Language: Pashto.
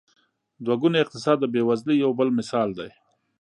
دوه ګونی اقتصاد د بېوزلۍ یو بل مثال دی.